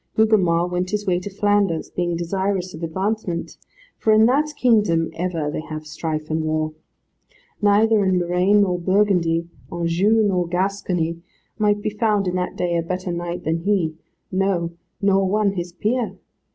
Gugemar went his way to Flanders, being desirous of advancement, for in that kingdom ever they have strife and war. Neither in Loraine nor Burgundy, Anjou nor Gascony, might be found in that day a better knight than he, no, nor one his peer.